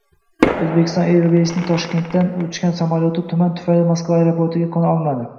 Uzbekistan Airways’ning Toshkentdan uchgan samolyoti tuman tufayli Moskva aeroportiga qo‘na olmadi